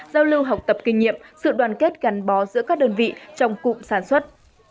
giao lưu học tập kinh nghiệm sự đoàn kết gắn bó giữa các đơn vị trong cụm sản xuất